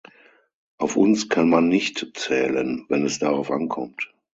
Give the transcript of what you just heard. Auf uns kann man nicht zählen, wenn es darauf ankommt.